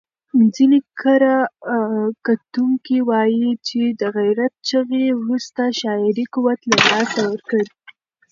ځینې کره کتونکي وايي چې د غیرت چغې وروسته شاعري قوت له لاسه ورکړ.